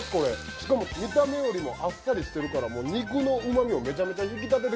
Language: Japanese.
しかも見た目よりもあっさりしてるからもう肉のうま味をめちゃめちゃ引き立ててくれてます。